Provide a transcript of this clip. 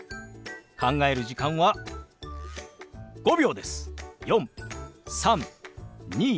考える時間は５秒です。